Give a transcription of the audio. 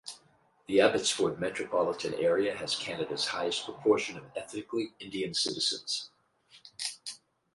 The Abbotsford metropolitan area has Canada's highest proportion of ethnically Indian citizens.